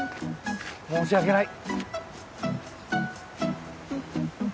申し訳ない。